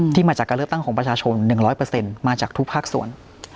มาจากการเลือกตั้งของประชาชน๑๐๐มาจากทุกภาคส่วน